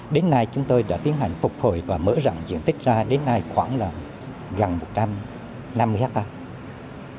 đến nay chúng tôi đã tiến hành phục hồi và mở rộng diện tích ra đến nay khoảng gần một trăm năm mươi hectare